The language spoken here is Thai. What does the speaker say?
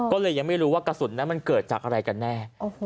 ก็เลยยังไม่รู้ว่ากระสุนนั้นมันเกิดจากอะไรกันแน่